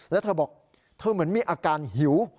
แล้วเธอบอกเธอเหมือนมีอาการหิว